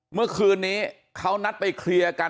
เมื่อคืนนี้เขานัดไปเคลียร์กัน